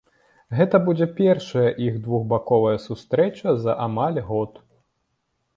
Гэта будзе першая іх двухбаковая сустрэча за амаль год.